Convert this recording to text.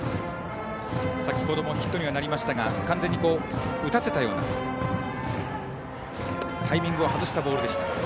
先ほどもヒットにはなりましたが完全に打たせたようなタイミングを外したボールでした。